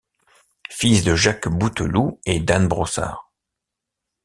Fils de Jacques Bouteloup et d'Anne Brossard.